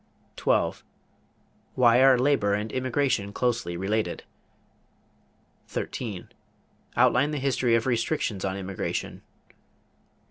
12. Why are labor and immigration closely related? 13. Outline the history of restrictions on immigration.